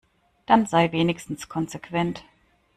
Dann sei wenigstens konsequent.